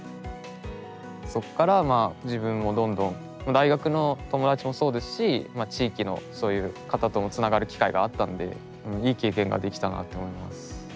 そこから自分もどんどん大学の友達もそうですし地域のそういう方ともつながる機会があったんでいい経験ができたなって思います。